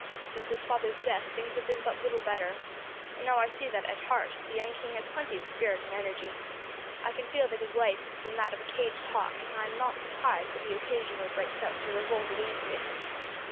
Since his father's death, things have been but little better, and now I see that, at heart, the young king has plenty of spirit and energy, I can feel that his life has been that of a caged hawk, and I am not surprised that he occasionally breaks out into revolt against it.